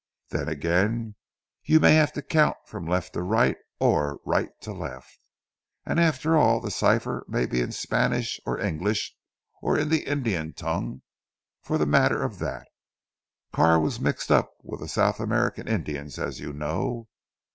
Then again you may have to count from left to right or right to left. And after all the cipher may be in Spanish, or English or in the Indian tongue for the matter of that; Carr was mixed up with the South American Indians you know.